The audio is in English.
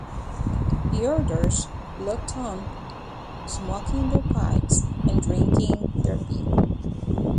The elders looked on smoking their pipes and drinking their beer.